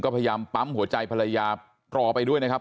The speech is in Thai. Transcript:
พยายามปั๊มหัวใจภรรยารอไปด้วยนะครับ